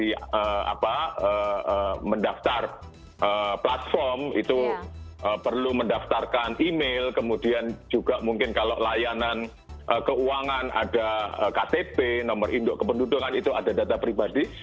di mendaftar platform itu perlu mendaftarkan email kemudian juga mungkin kalau layanan keuangan ada ktp nomor induk kependudukan itu ada data pribadi